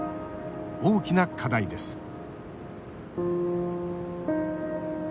大きな課題です